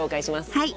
はい。